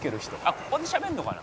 「ここでしゃべるのかな？」